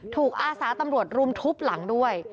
ถูกอาสาแสตร์ตำรวจรุมทุบหลังด้วย